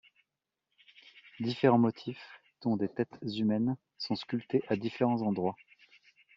Différents motifs dont des têtes humaines sont sculptés à différents endroits.